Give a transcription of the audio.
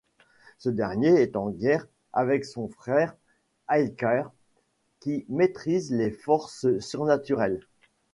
Ce dernier est en guerre avec son frère, Alkaïr, qui maîtrise des forces surnaturelles.